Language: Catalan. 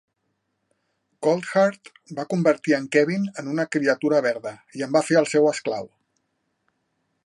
Coldheart va convertir en Kevin en una criatura verda i en va fer el seu esclau.